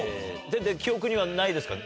全然記憶にはないですか？